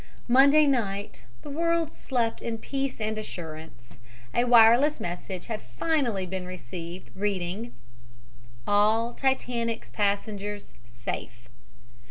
Monday night the world slept in peace and assurance. A wireless message had finally been received, reading: "All Titanic's passengers safe."